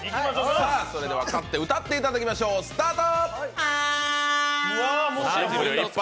それでは勝って歌っていただきましょう、スタート！